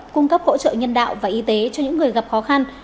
cung cấp hỗ trợ nhân đạo và y tế cho những người gặp khó khăn